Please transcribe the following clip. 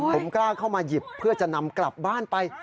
ผมกล้าเข้ามาหยิบเพื่อจะนำกลับบ้านไป